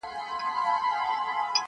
چا په غوږ کي را ویله ویده نه سې بندیوانه!